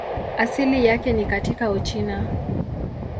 Asili yake ni katika Uchina.